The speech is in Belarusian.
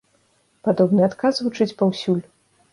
Падобны адказ гучыць паўсюль.